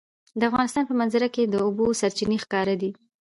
د افغانستان په منظره کې د اوبو سرچینې ښکاره ده.